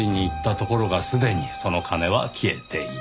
ところがすでにその金は消えていた。